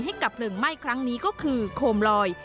ให้กับเพลิงไหม้ครั้งนี้ก็คือโคมลอย